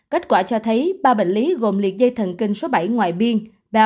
kết quả cho thấy ba bệnh lý gồm liệt dây thần kinh số bảy ngoài biên